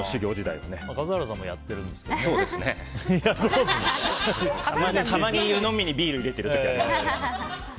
笠原さんもたまに湯のみにビール入れていますね。